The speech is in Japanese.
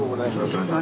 それ何？